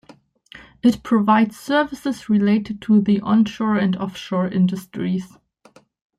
It provides services related to the onshore and offshore industries.